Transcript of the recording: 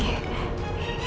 gak ada bukti